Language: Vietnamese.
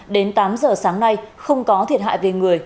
đến tám giờ sáng nay không có thiệt hại về người